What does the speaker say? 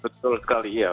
betul sekali ya